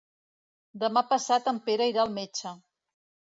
Demà passat en Pere irà al metge.